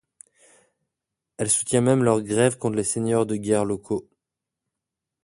Elle soutient même leurs grèves contre les seigneurs de guerre locaux.